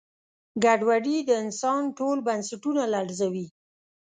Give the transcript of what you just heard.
ګډوډي د انسان ټول بنسټونه لړزوي.